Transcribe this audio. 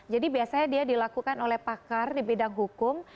jadi biasanya dia dilakukan oleh pakar di bidang hukum